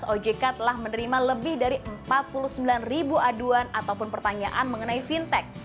ojk telah menerima lebih dari empat puluh sembilan ribu aduan ataupun pertanyaan mengenai fintech